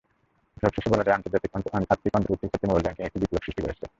সবশেষে বলা যায়, আর্থিক অন্তর্ভুক্তির ক্ষেত্রে মোবাইল ব্যাংকিং একটি বিপ্লব সৃষ্টি করেছে।